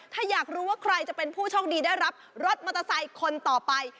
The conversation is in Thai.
ถ้าอยากรู้ว่าใครจะเป็นผู้โชคดีได้รับรถมอเตอร์ไซค์คนต่อไป